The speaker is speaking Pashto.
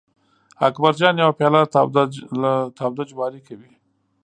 اکبر جان یو پیاله له تاوده جواري کوي.